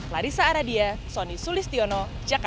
larissa aradia sonny sulistiono jakarta